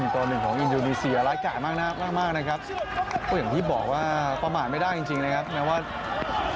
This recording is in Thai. เป็นที่บอกว่ากว่ากระมาดไม่ได้จริงเลยครับหมายความว่า